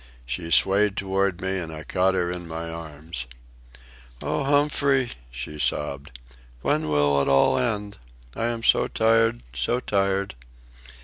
She swayed toward me and I caught her in my arms. "Oh, Humphrey," she sobbed, "when will it all end? I am so tired, so tired."